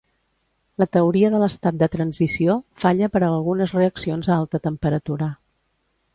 La teoria de l'estat de transició falla per a algunes reaccions a alta temperatura.